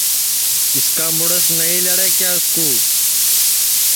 اِس کا مُڑس نائی لڑے کیا اِس کُو